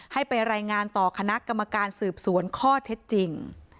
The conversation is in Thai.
ให้ไปรายงานต่อคณะกรรมการสืบสวนข้อเท็จจริง